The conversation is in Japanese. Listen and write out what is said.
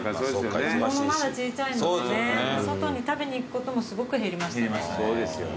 子供もまだ小ちゃいのでね外に食べに行くこともすごく減りましたね。